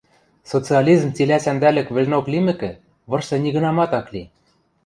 Социализм цилӓ сӓндӓлӹк вӹлнок лимӹкӹ, вырсы нигынамат ак ли...